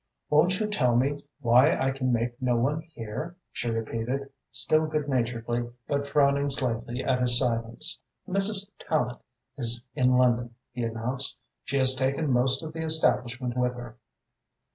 "Won't you tell me why I can make no one hear?" she repeated, still good naturedly but frowning slightly at his silence. "Mrs. Tallente is in London," he announced. "She has taken most of the establishment with her."